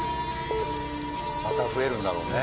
また増えるんだろうね。